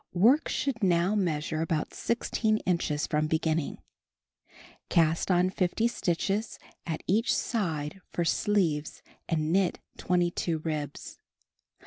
Work shoukl now measure about 16 inches from beginning. Cast on 50 stitches at each side for sleeves and Icnit 22 ribs.